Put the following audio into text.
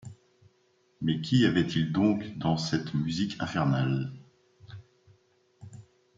Mais qu’y avait-il donc dans cette musique infernale ?